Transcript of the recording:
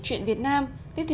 cũng xin cảm ơn anh